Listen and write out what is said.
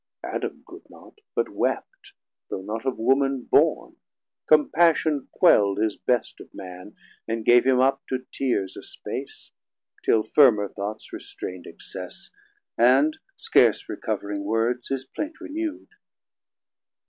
Adam could not, but wept, Though not of Woman born; compassion quell'd His best of Man, and gave him up to tears A space, till firmer thoughts restraind excess, And scarce recovering words his plaint renew'd.